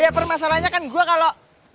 ya permasalahnya kan gue kalo